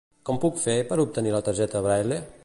Com puc fer per obtenir la targeta Braille?